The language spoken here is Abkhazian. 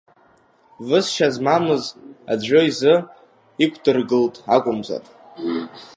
Высшьа змамыз аӡәы изы иқәдыргылт акәымзар…